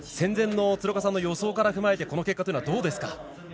鶴岡さんの予想から踏まえてこの結果というのはどうですか？